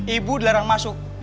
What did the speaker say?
ibu dilarang masuk